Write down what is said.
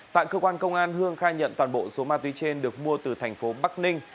tại cơ quan công an hương khai nhận toàn bộ số ma túy trên được mua từ thành phố bắc ninh